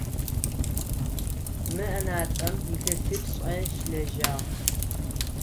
Мы ӏэнатӏэм илъэсипшӏэ щылэжьагъ.